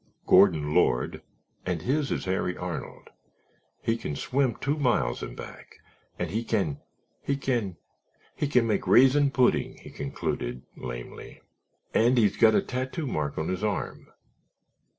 "Gordon Lord—and his is Harry Arnold—he can swim two miles and back and he can—he can—he can make raisin pudding," he concluded, lamely. "And he's got a tattoo mark on his arm."